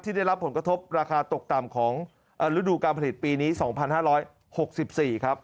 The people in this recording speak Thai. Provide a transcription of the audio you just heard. ได้รับผลกระทบราคาตกต่ำของฤดูการผลิตปีนี้๒๕๖๔ครับ